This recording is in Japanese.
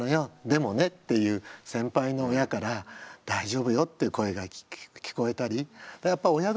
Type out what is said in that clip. でもね」っていう先輩の親から「大丈夫よ」っていう声が聞こえたりやっぱあああ